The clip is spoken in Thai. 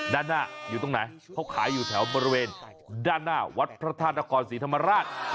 ด้านหน้าอยู่ตรงไหนเขาขายอยู่แถวบริเวณด้านหน้าวัดพระธาตุนครศรีธรรมราช